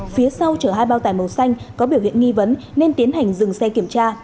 phía sau chở hai bao tải màu xanh có biểu hiện nghi vấn nên tiến hành dừng xe kiểm tra